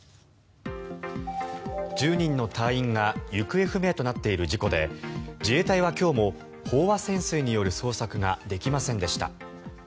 １０人の隊員が行方不明となっている事故で自衛隊は今日も飽和潜水による捜索ができませんでした。